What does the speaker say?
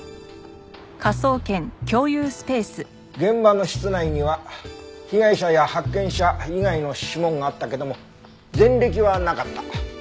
現場の室内には被害者や発見者以外の指紋があったけども前歴はなかった。